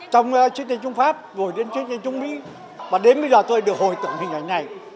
trong chiến tranh trung pháp rồi đến chiến tranh trung mỹ và đến bây giờ tôi được hồi tưởng hình ảnh này